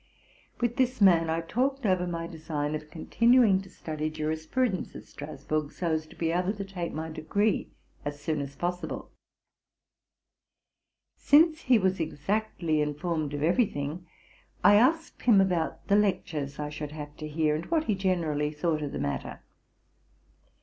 With this man I talked over my design of continuing to study jurisprudence at Strasburg, so as to be able to take my degree as soon as possible. Since he was exactly informed of eyery thing, I asked him about the lectures I should have to hear, and what he generally thought of the matter.